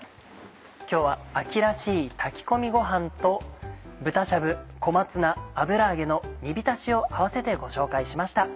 今日は秋らしい炊き込みごはんと「豚しゃぶ小松菜油揚げの煮びたし」を併せてご紹介しました。